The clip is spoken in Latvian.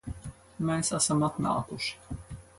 Mēs esam atnākuši